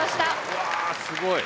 うわすごい。